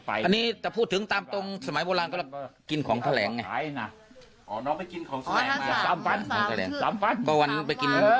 อันนี้แต่พูดถึงตามตรงสมัยโบราณก็แหละ